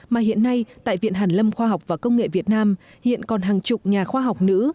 mà hiện nay tại viện hàn lâm khoa học và công nghệ việt nam hiện còn hàng chục nhà khoa học nữ